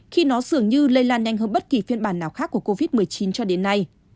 khi nó dường như lây lan nhanh hơn bất kỳ phiên bản nào khác của covid một mươi chín cho đến nay